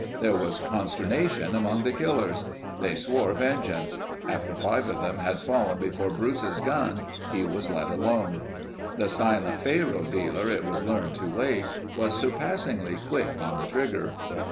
There was consternation among the killers. They swore vengeance. After five of them had fallen before Bruce's gun, he was let alone. The silent faro dealer, it was learned too late, was surpassingly quick on the trigger.